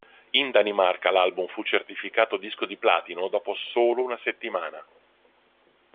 In Danimarca l'album fu certificato disco di platino dopo solo una settimana.